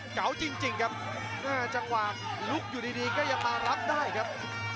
ขาวจริงครับหน้าจังหวังลุกอยู่ดีก็ยังมารับได้ครับ